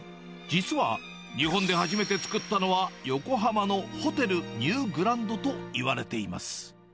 実は、日本で初めて作ったのは、横浜のホテルニューグランドといわれています。